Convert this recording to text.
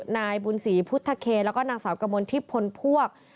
นายบุญศรีพุทธเคแล้วก็นางสาวกมลทิพย์พลพวก